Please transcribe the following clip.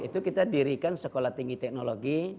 itu kita dirikan sekolah tinggi teknologi